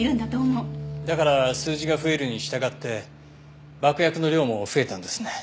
だから数字が増えるに従って爆薬の量も増えたんですね。